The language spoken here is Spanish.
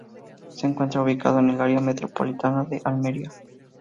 Se encuentra ubicado en el área metropolitana de almería.